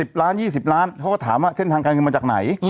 ๑๐๐๐๐บาท๒๐๐๐๐บาทเขาก็ถามเส้นทางการเงินมาจากไหน